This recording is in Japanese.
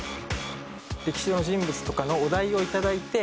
歴史上の人物とかのお題をいただいて。